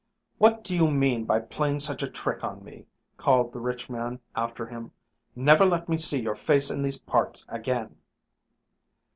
"What do you mean by playing such a trick on me?" called the rich man after him. "Never let me see your face in these parts again!"